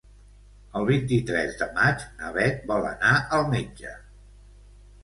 El vint-i-tres de maig na Beth vol anar al metge.